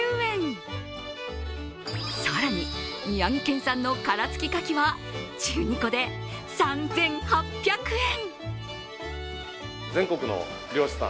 更に、宮城県産の殻つきかきは１２個で３８００円。